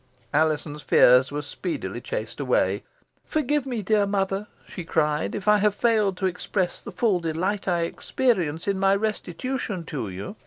Alizon's fears were speedily chased away. "Forgive me, dear mother," she cried, "if I have failed to express the full delight I experience in my restitution to you.